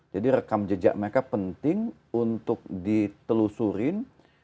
jadi rekam jejak mereka penting untuk ditelusurin